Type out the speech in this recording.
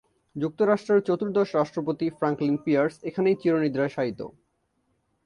যুক্তরাষ্ট্রের চতুর্দশ রাষ্ট্রপতি ফ্র্যাঙ্কলিন পিয়ার্স এখানেই চিরনিদ্রায় শায়িত।